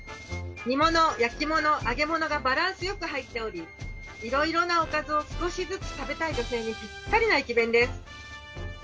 煮物、焼き物、揚げ物がバランスよく入っておりいろいろなおかずを少しずつ食べたい女性にピッタリな駅弁です。